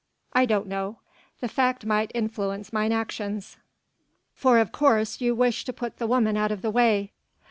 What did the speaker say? "I don't know. The fact might influence mine actions. For of course you wish to put the woman out of the way."